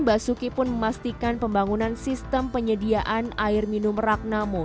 basuki pun memastikan pembangunan sistem penyediaan air minum ragnamo